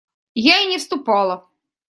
Я и не вступала.